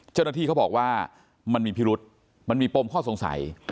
เจ้าหน้าที่เขาบอกว่ามันมีพิรุษมันมีปมข้อสงสัย